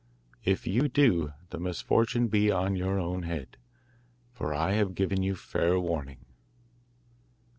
If you do, the misfortune be on your own head, for I have given you fair warning.